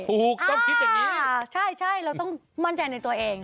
ถูกต้องคิดอย่างนี้ใช่เราต้องมั่นใจในตัวเอง